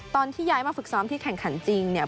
ตอนที่ย้ายมาฝึกซ้อมที่แข่งขันจริงเนี่ย